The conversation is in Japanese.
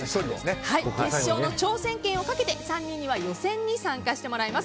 決勝の挑戦権をかけて３人は予選に挑戦してもらいます。